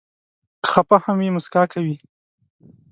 که خفه هم وي، مسکا کوي.